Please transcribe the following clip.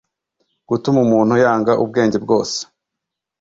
gutuma umuntu yanga ubwenge bwose